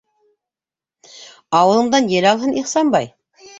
Ауыҙыңдан ел алһын, Ихсанбай!